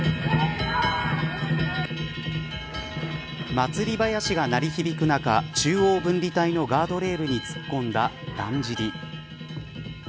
祭りばやしが鳴り響く中中央分離帯のガードレールに突っ込んだ、だんじり。